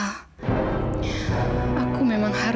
ini disuruh siapa tersanggahmu